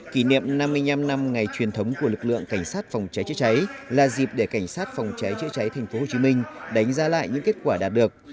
kỷ niệm năm mươi năm năm ngày truyền thống của lực lượng cảnh sát phòng cháy chữa cháy là dịp để cảnh sát phòng cháy chữa cháy tp hcm đánh giá lại những kết quả đạt được